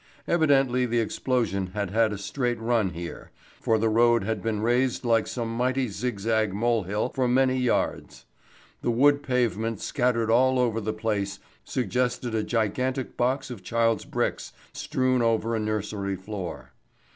Evidently the explosion had had a straight run here, for the road had been raised like some mighty zigzag molehill for many yards. The wood pavement scattered all over the place suggested a gigantic box of child's bricks strewn over a nursery floor.